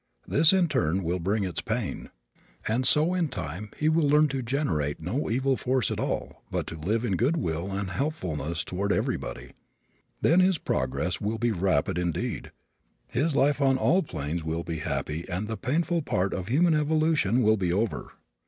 This in turn will bring its pain. And so in time he will learn to generate no evil force at all but to live in good will and helpfulness toward everybody. Then his progress will be rapid indeed, his life on all planes will be happy and the painful part of human evolution will be over.